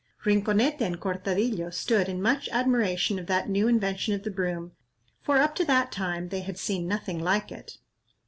Rinconete and Cortadillo stood in much admiration of that new invention of the broom, for up to that time they had seen nothing like it.